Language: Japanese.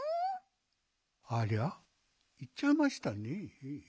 ありゃいっちゃいましたね。